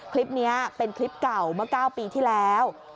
คลิปนี้เป็นคลิปเก่าเมื่อ๙ปีที่แล้ว